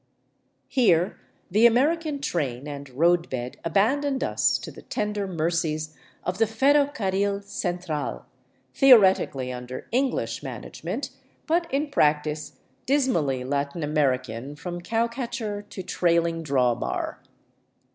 Here the American train and roadbed abandoned us to the tender mercies of the Ferrocarril Central, theoretically under English man agement, but in practice dismally Latin American from cow catcher to trailing draw bar.